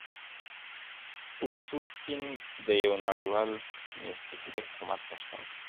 اګوستین د یو نړیوال مسیحي حکومت غوښتونکی و.